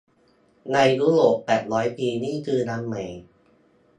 ในยุโรปแปดร้อยปีนี่คือยังใหม่